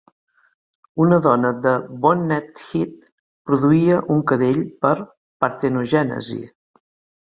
Una dona de bonnethead produïa un cadell per parthenogenesis.